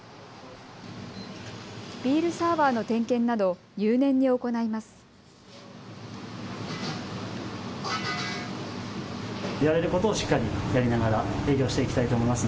ビールサーバーの点検などを入念に行います。